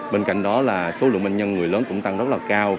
bên cạnh đó là số lượng bệnh nhân người lớn cũng tăng rất là cao